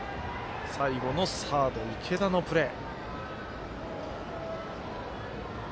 最後サード、池田のプレー。